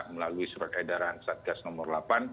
melalui surat edaran satgas nomor delapan